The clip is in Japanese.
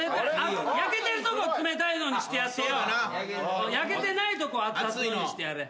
焼けてるとこ冷たいのにしてやってよ焼けてないとこ熱々のにしてやれ。